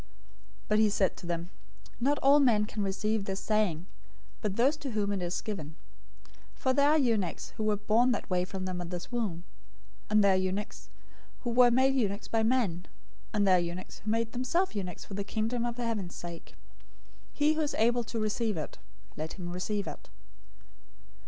019:011 But he said to them, "Not all men can receive this saying, but those to whom it is given. 019:012 For there are eunuchs who were born that way from their mother's womb, and there are eunuchs who were made eunuchs by men; and there are eunuchs who made themselves eunuchs for the Kingdom of Heaven's sake. He who is able to receive it, let him receive it."